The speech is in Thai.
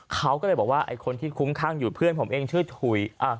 เขาก็เลยบอกว่าไอ้คนที่คุ้มข้างอยู่เพื่อนผมเองชื่อถุย